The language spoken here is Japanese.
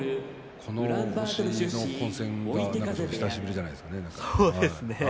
この星の混戦は久しぶりじゃないですかね。